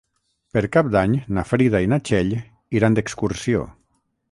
Per Cap d'Any na Frida i na Txell iran d'excursió.